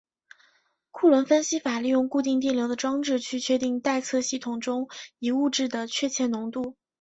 库伦分析法利用固定电流的装置去确定待测系统中一物质的确切浓度。